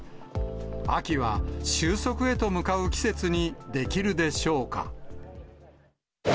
秋は収束へと向かう季節にできるでしょうか。